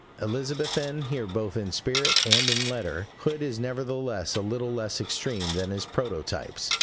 Elizabethan here both in spirit and in letter, Hood is nevertheless a little less extreme than his prototypes.